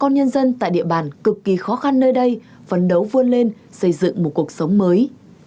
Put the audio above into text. nhân dân tại địa bàn cực kỳ khó khăn nơi đây phấn đấu vươn lên xây dựng một cuộc sống mới